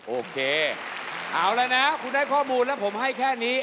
โอเคเอาละนะคุณได้ข้อมูลแล้วผมให้แค่นี้